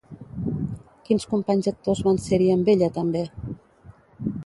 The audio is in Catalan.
Quins companys actors van ser-hi amb ella també?